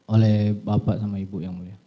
oleh bapak sama ibu yang mulia